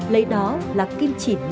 lấy đó là kim chỉ nam cho mọi hành động